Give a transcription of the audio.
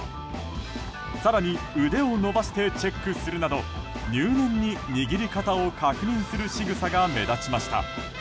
更に、腕を伸ばしてチェックするなど入念に握り方を確認するしぐさが目立ちました。